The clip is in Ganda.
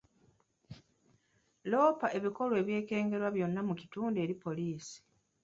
Loopa ebikolwa ebyekengerwa byonna mu kitundu eri poliisi.